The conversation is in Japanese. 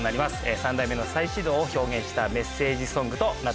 三代目の再始動を表現したメッセージソングとなっております。